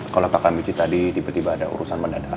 kalau kak amici tadi tiba tiba ada urusan mendadak